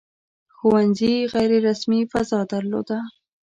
• ښوونځي غیر رسمي فضا درلوده.